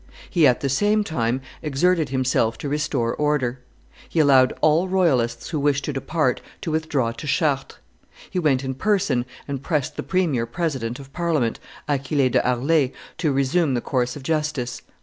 He at the same time exerted himself to restore order; he allowed all royalists who wished to depart to withdraw to Chartres; he went in person and pressed the premier president of Parliament, Achille de Harlay, to resume the course of justice.